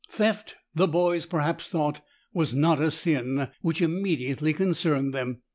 Theft, the boys perhaps thought, was not a sin which immediately concerned them.